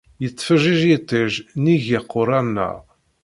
Yettfeǧǧij yiṭij nnig iqerra-nneɣ.